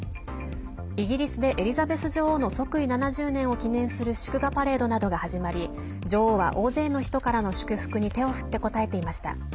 イギリスでエリザベス女王の即位７０年を記念する祝賀パレードなどが始まり女王は大勢の人からの祝福に手を振って応えていました。